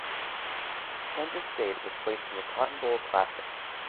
Kansas State was placed in the Cotton Bowl Classic.